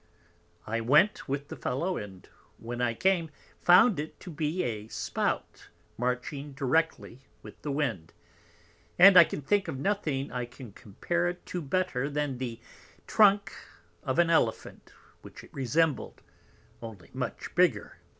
I went with the Fellow; and when I came, found it to be a Spout marching directly with the Wind: and I can think of nothing I can compare it to better than the Trunk of an Elephant, which it resembled, only much bigger.